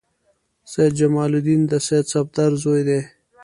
سید جمال الدین د سید صفدر زوی دی.